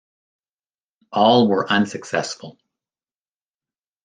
All were unsuccessful.